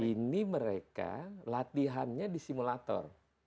ini mereka latihannya di simulator